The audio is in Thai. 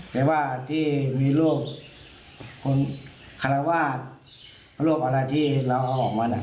แต่ว่าที่มีรูปคุณคารวาสรูปอะไรที่เราเอาออกมาเนี่ย